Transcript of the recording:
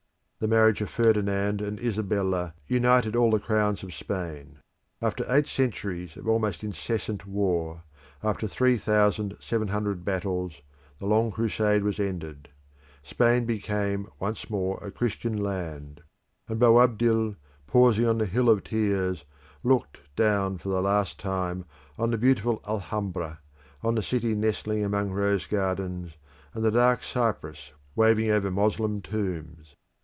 The marriage of Ferdinand and Isabella united all the crowns of Spain. After eight centuries of almost incessant war, after three thousand seven hundred battles, the long crusade was ended; Spain became once more a Christian land; and Boabdil, pausing on the Hill of Tears, looked down for the last time on the beautiful Alhambra, on the city nestling among rose gardens, and the dark cypress waving over Moslem tombs.